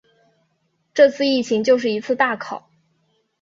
这次疫情就是一次大考